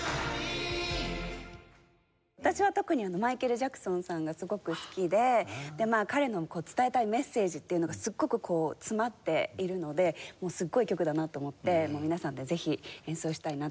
私は特にマイケル・ジャクソンさんがすごく好きで彼の伝えたいメッセージっていうのがすっごくこう詰まっているのですっごい曲だなと思って皆さんでぜひ演奏したいなと。